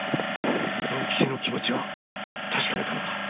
文吉の気持ちは確かめたのか？